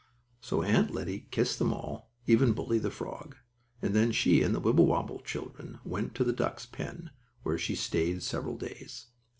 So Aunt Lettie kissed them all, even Bully, the frog, and then she and the Wibblewobble children went to the ducks' pen, where she stayed several days.